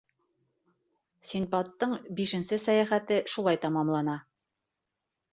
Синдбадтың бишенсе сәйәхәте шулай тамамлана.